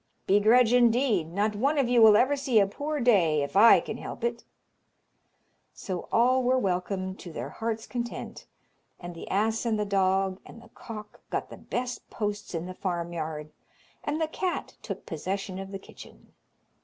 "Begrudge, indeed! Not one of you will ever see a poor day if I can help it." So all were welcomed to their hearts' content, and the ass and the dog and the cock got the best posts in the farmyard, and the cat took possession of the kitchen.